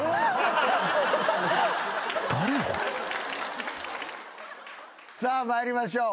誰？さあ参りましょう。